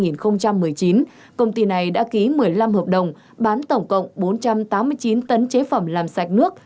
năm hai nghìn một mươi chín công ty này đã ký một mươi năm hợp đồng bán tổng cộng bốn trăm tám mươi chín tấn chế phẩm làm sạch nước